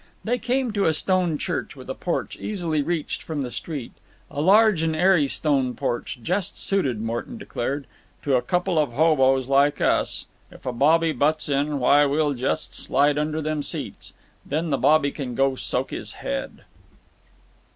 They came to a stone church with a porch easily reached from the street, a large and airy stone porch, just suited, Morton declared, "to a couple of hoboes like us. If a bobby butts in, why, we'll just slide under them seats. Then the bobby can go soak his head."